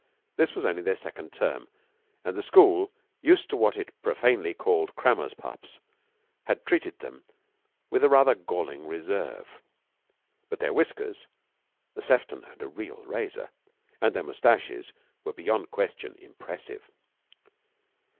This was only their second term, and the school, used to what it profanely called "crammers' pups," had treated them with rather galling reserve. But their whiskers Sefton owned a real razor and their mustaches were beyond question impressive.